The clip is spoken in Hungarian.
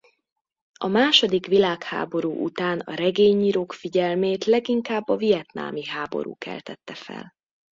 A második világháború után a regényírók figyelmét leginkább a vietnámi háború keltette fel.